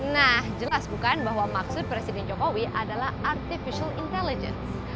nah jelas bukan bahwa maksud presiden jokowi adalah artificial intelligence